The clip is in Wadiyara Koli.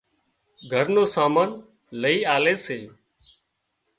گھر نُون سامان لئي آلي سي